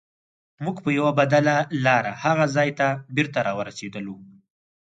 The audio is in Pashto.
موږ په یوه بدله لار هغه ځای ته بېرته راورسیدلو.